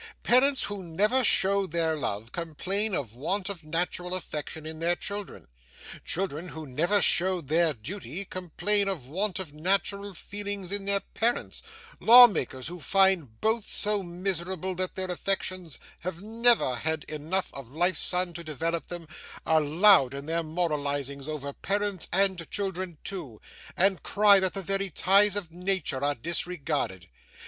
'Parents who never showed their love, complain of want of natural affection in their children; children who never showed their duty, complain of want of natural feeling in their parents; law makers who find both so miserable that their affections have never had enough of life's sun to develop them, are loud in their moralisings over parents and children too, and cry that the very ties of nature are disregarded.